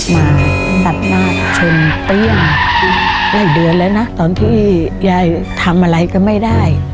มาตัดหน้าชนเปรี้ยงได้เดือนแล้วนะตอนที่ยายทำอะไรก็ไม่ได้